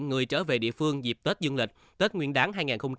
người trở về địa phương dịp tết dương lịch tết nguyên đáng hai nghìn hai mươi bốn